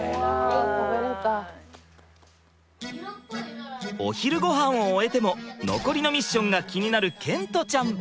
お昼ごはんを終えても残りのミッションが気になる賢澄ちゃん。